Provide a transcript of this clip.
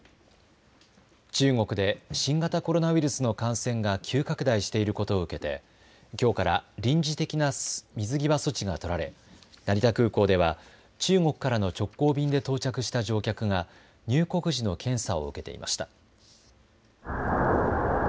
中国で新型コロナウイルスの感染が急拡大していることを受けてきょうから臨時的な水際措置が取られ成田空港では中国からの直行便で到着した乗客が入国時の検査を受けていました。